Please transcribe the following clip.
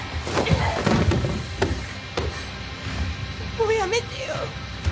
もうやめてよ。